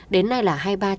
đến nay là hai mươi ba